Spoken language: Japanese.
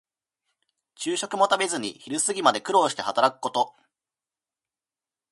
昼食も食べずに昼過ぎまで苦労して働くこと。